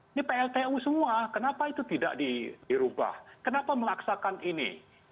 ini pltu semua kenapa itu tidak dirubah kenapa melaksakan ini